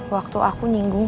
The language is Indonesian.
waktu aku nyinggung